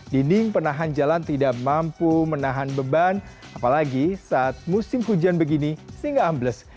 dinding penahan jalan tidak mampu menahan beban apalagi saat musim hujan begini sehingga ambles